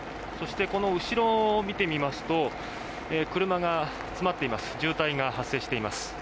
そして、この後ろを見てみますと車が詰まっています。